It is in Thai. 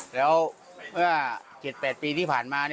แล้วเมื่อ๗๘ปีที่ผ่านมา